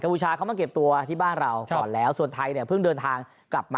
บูชาเขามาเก็บตัวที่บ้านเราก่อนแล้วส่วนไทยเนี่ยเพิ่งเดินทางกลับมา